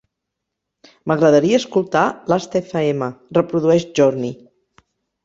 M'agradaria escoltar Last.fm. Reprodueix Journey.